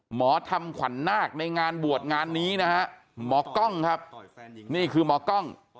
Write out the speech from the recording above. หมอทำขวัญนาคในงานบวชงานนี้นะฮะหมอกล้องครับนี่คือหมอกล้อง